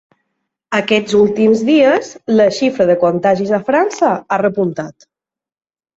Aquests últims dies, la xifra de contagis a França ha repuntat.